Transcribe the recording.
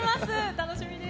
楽しみです。